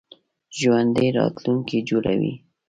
ژوندي راتلونکی جوړوي